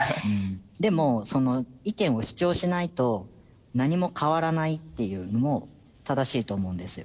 でもその意見を主張しないと何も変わらないっていうのも正しいと思うんですよ。